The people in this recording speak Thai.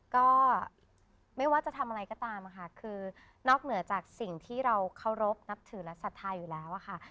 ก็ไม่ว่าจะทำอะไรก็ตามค่ะคือนอกเหนือจากสิ่งที่เราเคารพนับถือและศรัทธาอยู่แล้วอะค่ะ